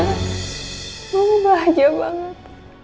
kamu bahagia banget